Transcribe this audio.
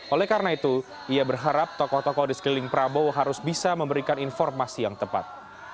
oleh karena itu ia berharap tokoh tokoh di sekeliling prabowo harus bisa memberikan informasi yang tepat